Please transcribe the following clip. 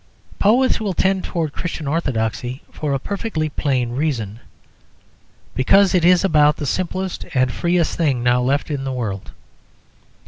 Poets will tend towards Christian orthodoxy for a perfectly plain reason; because it is about the simplest and freest thing now left in the world.